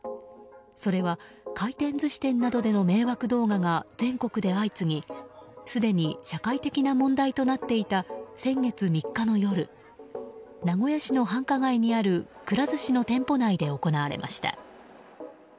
それは回転寿司店などでの迷惑動画が全国で相次ぎすでに社会的な問題となっていた先月３日の夜名古屋市の繁華街にあるくら寿司の店舗内で行われました。